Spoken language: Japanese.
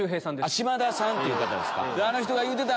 島田さんっていう方ですか。